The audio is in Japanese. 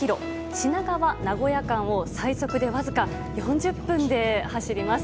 品川名古屋間を最速でわずか４０分で走ります。